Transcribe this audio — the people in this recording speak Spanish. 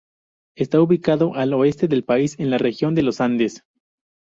Está ubicado al oeste del país, en la región de los Andes.